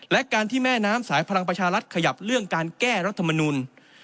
และการที่แม่น้ำสายพลังประชารัฐขยับเรื่องการแก้รัฐมนุน